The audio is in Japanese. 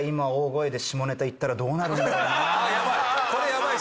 ヤバい。